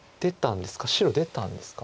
出たんですか。